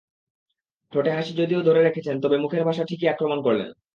ঠোঁটে হাসি যদিও ধরে রেখেছেন, তবে মুখের ভাষায় ঠিকই আক্রমণ করলেন।